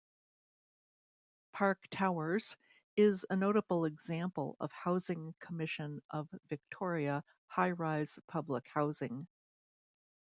Park Towers is a notable example of Housing Commission of Victoria hi-rise public housing.